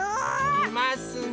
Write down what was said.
いますね。